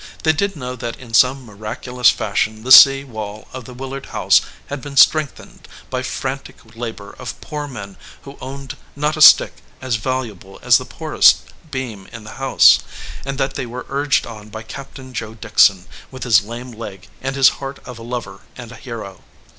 They did know that in some miracu lous fashion the sea wall of the Willard house had been strengthened by frantic labor of poor men who owned not a stick as valuable as the poorest beam in the house, and that they were urged on by Captain Joe Dickson, with his lame leg and his heart of a lover, and a hero.